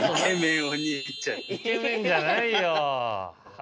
イケメンじゃないよ！